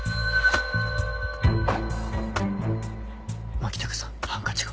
牧高さんハンカチが。